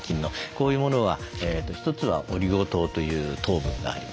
こういうものは一つはオリゴ糖という糖分があります。